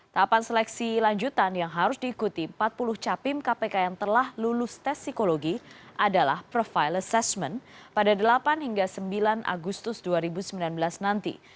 tahapan seleksi lanjutan yang harus diikuti empat puluh capim kpk yang telah lulus tes psikologi adalah profile assessment pada delapan hingga sembilan agustus dua ribu sembilan belas nanti